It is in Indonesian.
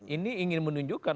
ini ingin menunjukkan